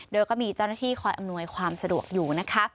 โดยก็มีเจ้าหน้าที่คอยอำนวยความสะดวกอยู่นะคะ